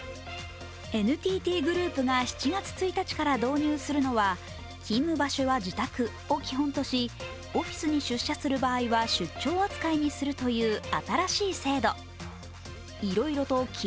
ＮＴＴグループが７月１日から導入するのは勤務場所は自宅を基本とし、オフィスに出張する場合は出張扱いにするという新しい制度。